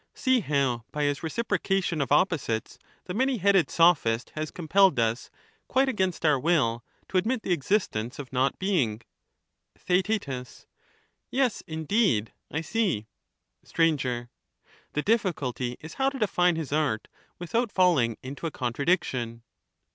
See how, by his re we are ciprocation of opposites, the many headed Sophist has^^^J^^^ compelled us, quite against our will, to admit the existence existence of of not being. "^'■*^^ Theaet, Yes, indeed, I see. Str, The difficulty is how to define his art without falling into a contradiction.